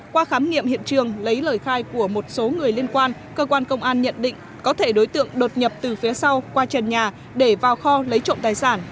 qua khám nghiệm hiện trường lấy lời khai của một số người liên quan cơ quan công an nhận định có thể đối tượng đột nhập từ phía sau qua trần nhà để vào kho lấy trộm tài sản